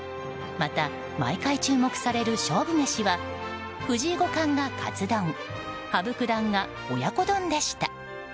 また、毎回注目される勝負メシは藤井五冠がカツ丼羽生九段が親子丼でした。